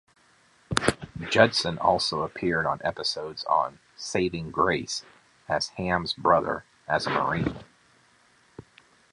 Judson also appeared on episodes on "Saving Grace" as Ham's brother as a Marine.